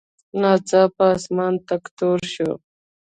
ناڅاپه اسمان تک تور شو.